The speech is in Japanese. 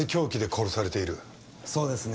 そうですね。